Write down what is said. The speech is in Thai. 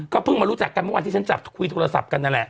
เพิ่งมารู้จักกันเมื่อวานที่ฉันจับคุยโทรศัพท์กันนั่นแหละ